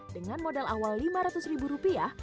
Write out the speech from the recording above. dengan modal awal lima ratus ribu rupiah